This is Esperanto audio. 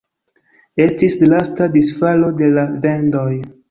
Estis drasta disfalo de la vendoj.